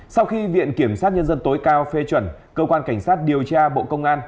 sau khi viện kiểm sát nhân dân tối cao phê chuẩn cơ quan cảnh sát điều tra bộ công an